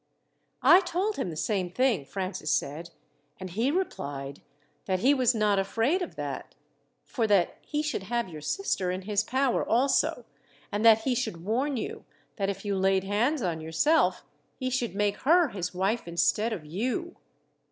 "I told him the same thing," Francis said, "and he replied that he was not afraid of that, for that he should have your sister in his power also, and that he should warn you that, if you laid hands on yourself, he should make her his wife instead of you."